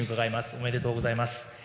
おめでとうございます。